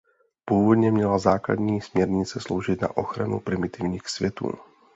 Původně měla Základní směrnice sloužit na ochranu primitivních světů.